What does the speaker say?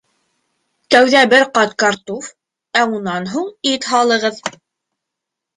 Тәүҙә бер ҡат картуф, ә унан һуң ит һалығыҙ